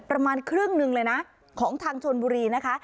ประมาณครึ่งหนึ่งเลยนะของทางชนบุรีนะคะ